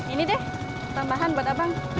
ini deh tambahan buat abang